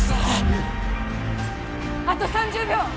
あと３０秒！